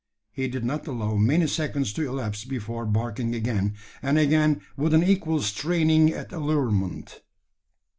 He did not allow many seconds to elapse before barking again, and again, with an equal straining at allurement.